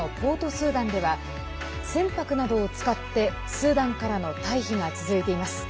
スーダンでは船舶などを使ってスーダンからの退避が続いています。